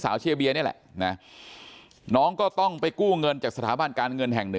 เชียร์เบียนี่แหละนะน้องก็ต้องไปกู้เงินจากสถาบันการเงินแห่ง๑